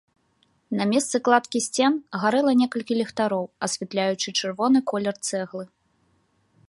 На месцы кладкі сцен гарэла некалькі ліхтароў, асвятляючы чырвоны колер цэглы.